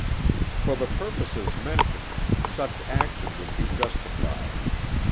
For the purposes mentioned, such action would be justified.